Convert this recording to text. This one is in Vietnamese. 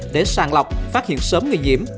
để sàng lọc phát hiện sớm người nhiễm